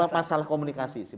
masalah komunikasi sih